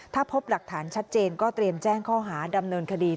ถ้าพบหลักฐานชัดเจนก็เตรียมแจ้งข้อหาดำเนินคดี